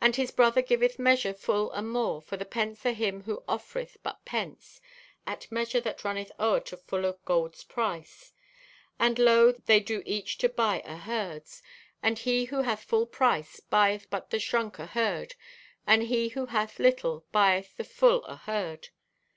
And his brother giveth measure full and more, for the pence o' him who offereth but pence, at measure that runneth o'er to full o' gold's price. "And lo, they do each to buy o' herds, and he who hath full price buyeth but the shrunk o' herd, and he who hath little, buyeth the full o' herd.